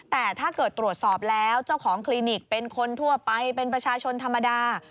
แต่ถ้าเกิดตรวจสอบแล้วเจ้าของคลินิกเป็นคนทั่วไปเป็นประชาชนธรรมดา